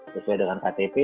sesuai dengan ktp